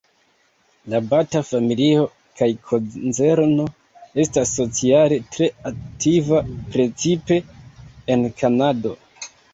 La Bata-familio kaj konzerno estas sociale tre aktiva, precipe en Kanado.